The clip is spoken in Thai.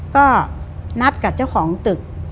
ก็นัดกับเจ้าของตึก